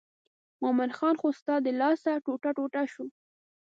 مومن خان خو ستا د لاسه ټوټه ټوټه شو.